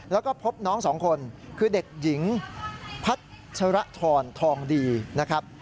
แล้วก็พบน้องสองคนคือเด็กหญิงพัชรทรทองดีนะครับ